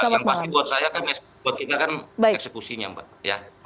yang pasti buat saya kan buat kita kan eksekusinya mbak